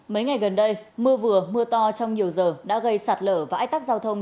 mấy ngày gần đây mưa vừa mưa to trong nhiều giờ đã gây sạt lở và ách tắc giao thông